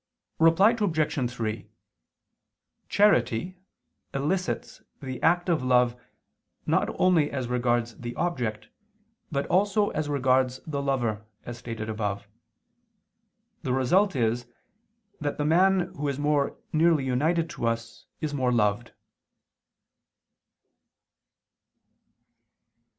Reply Obj. 3: Charity elicits the act of love not only as regards the object, but also as regards the lover, as stated above. The result is that the man who is more nearly united to us is more loved.